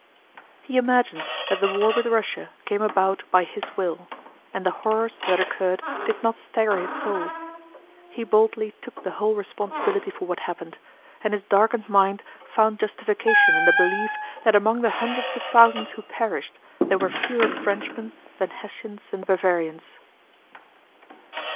He imagined that the war with Russia came about by his will, and the horrors that occurred did not stagger his soul. He boldly took the whole responsibility for what happened, and his darkened mind found justification in the belief that among the hundreds of thousands who perished there were fewer Frenchmen than Hessians and Bavarians.